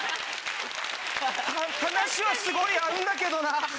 話はすごい合うんだけどなぁ。